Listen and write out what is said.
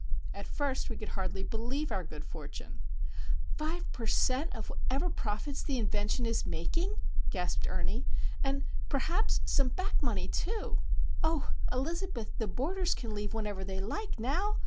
At first we could hardly believe our good fortune! "Five per cent. of whatever profits the invention is making," gasped Ernie,—"and perhaps some back money, too! Oh, Elizabeth, the boarders can leave whenever they like, now!